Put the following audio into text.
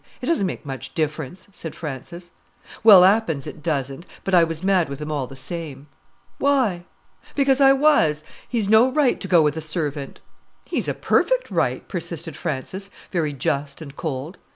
"It doesn't make much difference," said Frances. "Well, 'appen it doesn't; but I was mad with him all the same." "Why?" "Because I was; he's no right to go with a servant." "He's a perfect right," persisted Frances, very just and cold.